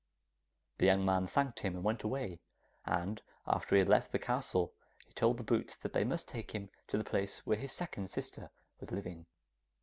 The young man thanked him and went away, and after he had left the castle he told the boots that they must take him to the place where his second sister was living.